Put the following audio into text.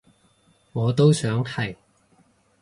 我都想係